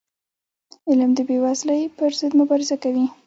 علم د بېوزلی پر ضد مبارزه کوي.